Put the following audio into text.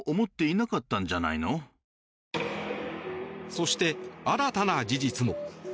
そして、新たな事実も。